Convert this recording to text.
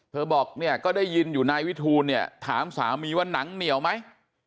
บอกเนี่ยก็ได้ยินอยู่นายวิทูลเนี่ยถามสามีว่าหนังเหนียวไหม